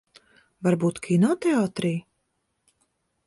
Varbūt kinoteātrī?